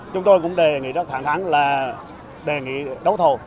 chúng tôi cũng đề nghị rất thẳng thắng là đề nghị đấu thầu